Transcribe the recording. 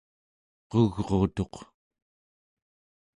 qugrutuq